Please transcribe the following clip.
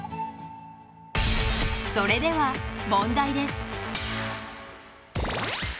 それでは問題です。